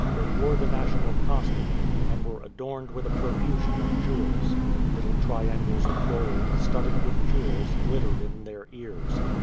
They wore the national costume, and were adorned with a profusion of jewels. Little triangles of gold, studded with jewels, glittered in their ears.